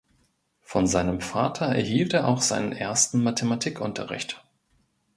Von seinem Vater erhielt er auch seinen ersten Mathematikunterricht.